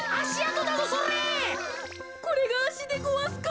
これがあしでごわすか。